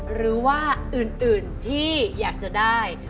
หรือว่าอื่นที่อยากจะได้